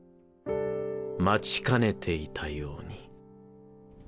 待ちかねていたように。